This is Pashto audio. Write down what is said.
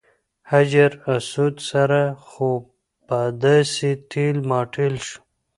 حجر اسود سره خو به داسې ټېل ماټېل شو.